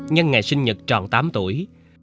nhân ngày sinh nhật tròn tám tuổi